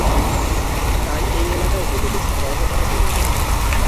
তাই এই এলাকায় বিদ্যুৎ সরবরাহ করা জরুরি।